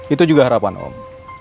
itu juga harapan om